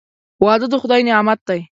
• واده د خدای نعمت دی.